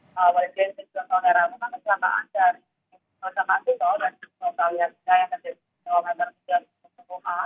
saat ini saya kerja dalam perjalanan